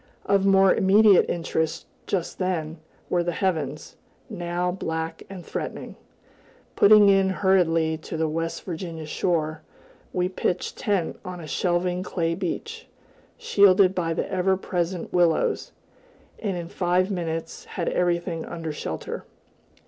Of more immediate interest, just then, were the heavens, now black and threatening. Putting in hurriedly to the West Virginia shore, we pitched tent on a shelving clay beach, shielded by the ever present willows, and in five minutes had everything under shelter.